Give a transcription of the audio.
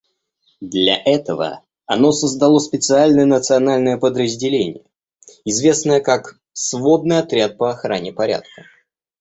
Для этого оно создало специальное национальное подразделение, известное как «Сводный отряд по охране порядка».